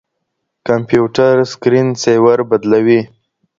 کمپيوټر سکرين سېور بدلوي.